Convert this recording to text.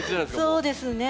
そうですね。